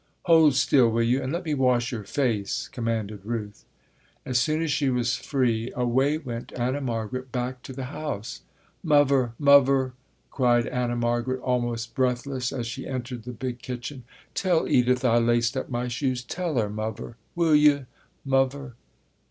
"Hold still, will you, and let me wash your face," commanded Ruth. As soon as she was free, away went Anna Margaret back to the house. "Muvver, Muvver," cried Anna Margaret almost breathless as she entered the big kitchen, "tell Edith I laced up my shoes, tell 'er, Muvver, will yo', Muvver?"